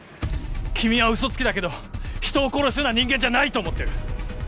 君はウソつきだけど人を殺すような人間じゃないと思ってる。